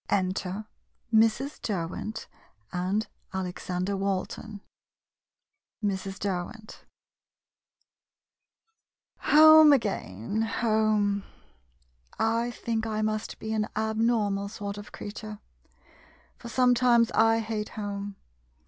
Enter Mrs. Derwent and Alexander Walton. Mrs. Derwent Home again — home! I think I must be an abnormal sort of creature — for sometimes I hate home!